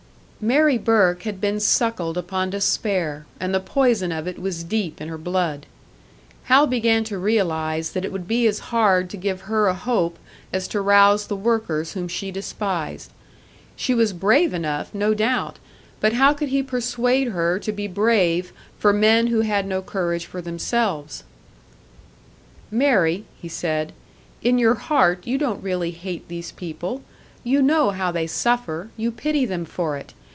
Mary Burke had been suckled upon despair, and the poison of it was deep in her blood. Hal began to realise that it would be as hard to give her a hope as to rouse the workers whom she despised. She was brave enough, no doubt, but how could he persuade her to be brave for men who had no courage for themselves? "Mary," he said, "in your heart you don't really hate these people. You know how they suffer, you pity them for it.